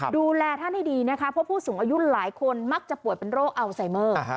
ดูแลท่านให้ดีนะคะเพราะผู้สูงอายุหลายคนมักจะป่วยเป็นโรคอัลไซเมอร์